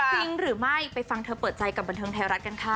จริงหรือไม่ไปฟังเธอเปิดใจกับบันเทิงไทยรัฐกันค่ะ